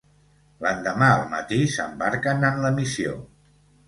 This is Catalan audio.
L'endemà al matí s'embarquen en la missió.